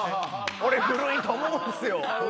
俺古いと思うんすよ。